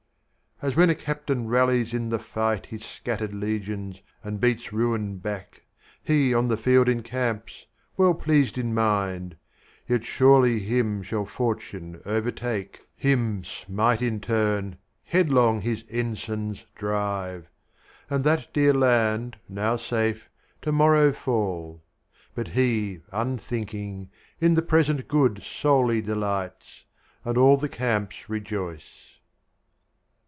As when a captain rallies to the fight His scattered legions, and beats ruin back, He, on the field, encamps, well pleased in mind. Yet surely him shall fortune overtake, Him smite in turn, headlong his ensigns drive; And that dear land, now safe, to morrow fall. But he, unthinking, in the present good Solely delights, and all the camps rejoice.